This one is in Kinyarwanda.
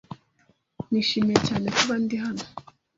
Nishimiye cyane kuba ndi hano.